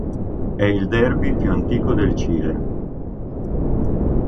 È il derby più antico del Cile.